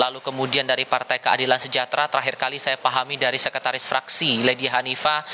lalu kemudian dari partai keadilan sejahtera terakhir kali saya pahami dari sekretaris fraksi lady hanifa